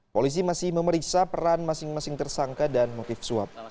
polisi masih memeriksa peran masing masing tersangka dan motif suap